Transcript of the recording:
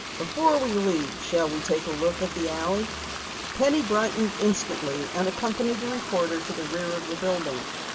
"Before we leave, shall we take a look at the alley?" Penny brightened instantly and accompanied the reporter to the rear of the building.